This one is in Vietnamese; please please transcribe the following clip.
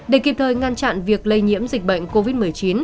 để kịp thời ngăn chặn việc lây nhiễm dịch bệnh covid một mươi chín